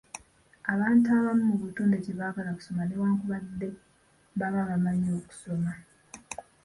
Abantu abamu mu butonde tebaagala kusoma newankubadde baba bamanyi okusoma.